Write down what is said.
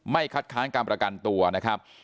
คัดค้านการประกันตัวนะครับ